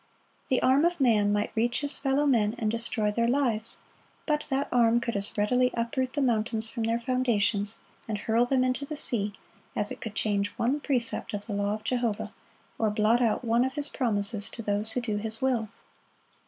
The arm of man might reach his fellow men and destroy their lives; but that arm could as readily uproot the mountains from their foundations, and hurl them into the sea, as it could change one precept of the law of Jehovah, or blot out one of His promises to those who do His will.